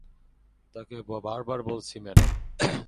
তাকে বারবার বলেছি, ম্যাডাম।